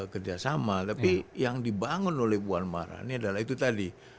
kerjasama tapi yang dibangun oleh puan marani adalah itu tadi